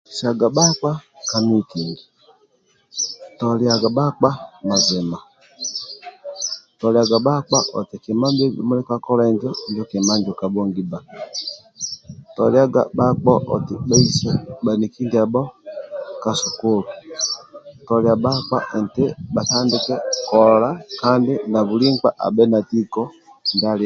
Hisaga bhakpa ka mitingi toliaga bhakpa oti kima ndio bhuli kakolai injo kabhongi bba toliyaga bhakpa oti babuhisage bhanikia ka sukulu toliya bhakpa oti batandike kola kandi buli nkpa abhe na tiko